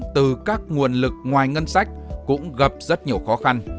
từ các nguồn lực ngoài ngân sách cũng gặp rất nhiều khó khăn